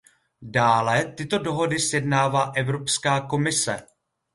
Dále, tyto dohody sjednává Evropská komise.